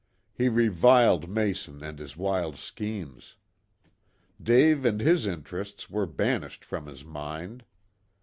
He reviled Mason and his wild schemes. Dave and his interests were banished from his mind.